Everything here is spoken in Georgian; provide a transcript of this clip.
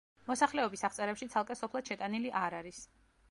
მოსახლეობის აღწერებში ცალკე სოფლად შეტანილი არ არის.